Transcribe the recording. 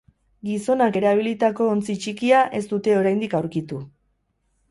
Gizonak erabilotako ontzi txikia ez dute oraindik aurkitu.